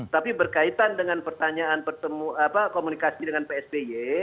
tapi berkaitan dengan pertanyaan komunikasi dengan psby